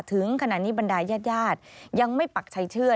ถึงขณะนี้บรรดายญาติยังไม่ปักใจเชื่อ